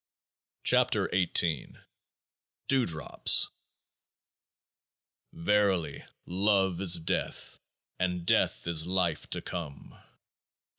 26 KE<t>AAH IH DEWDROPS Verily, love is death, and death is life to come.